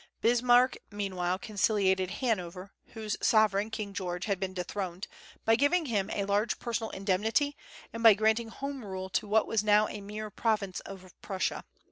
Bismarck meanwhile conciliated Hanover, whose sovereign, King George, had been dethroned, by giving him a large personal indemnity, and by granting home rule to what was now a mere province of Prussia.